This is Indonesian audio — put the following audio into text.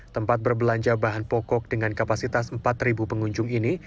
tempat berbelanja bahan pokok dengan kapasitas empat pengunjung ini